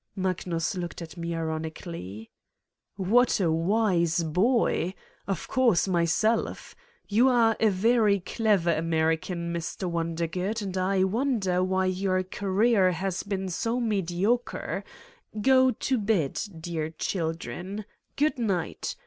Magnus looked at me ironically : "What a wise boy! Of course, myself! You are a very clever American, Mr. Wondergood, and I wonder why your career has been so mediocre. Go to bed, dear children. Good night.